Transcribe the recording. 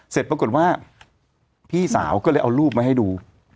เสร็จปรากฏว่าพี่สาวก็เลยเอารูปมาให้ดู